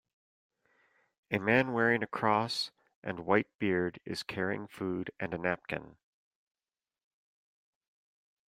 A man wearing a cross and white beard is carrying food and a napkin.